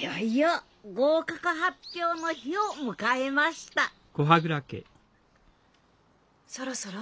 いよいよ合格発表の日を迎えましたそろそろ？